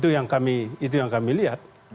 ya itu yang kami lihat